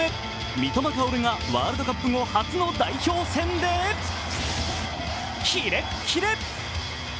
三笘薫がワールドカップ後初の代表戦で、キレッキレ。